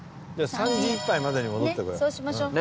３時いっぱいまでに戻ってこよう。